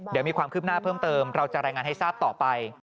เดี๋ยวมีความคืบหน้าเพิ่มเติมเราจะรายงานให้ทราบต่อไป